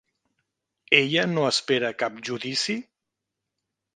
Ella no espera cap judici?